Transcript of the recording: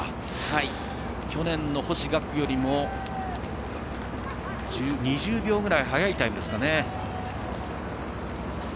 去年の星岳よりも２０秒ぐらい早いタイムですかね。